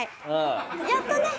やっとね。